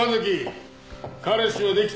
彼氏はできたか？